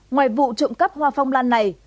ngoài vụ trộm cắp hoa phong lan này